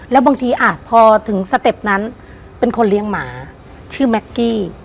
แล้วบางทีอ่ะพอถึงสเต็ปนั้นเป็นคนเลี้ยงหมาชื่อแม็กกี้